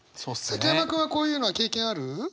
崎山君はこういうのは経験ある？